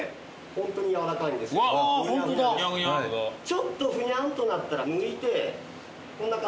ちょっとふにゃんとなったら抜いてこんな感じ。